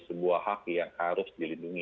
sebuah hak yang harus dilindungi